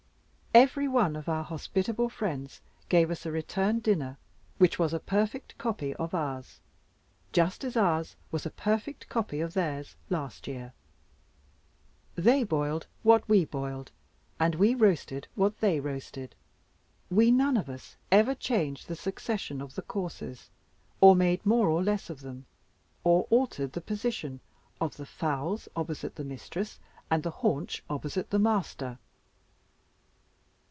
Every one of our hospitable friends gave us a return dinner, which was a perfect copy of ours just as ours was a perfect copy of theirs, last year. They boiled what we boiled, and we roasted what they roasted. We none of us ever changed the succession of the courses or made more or less of them or altered the position of the fowls opposite the mistress and the haunch opposite the master.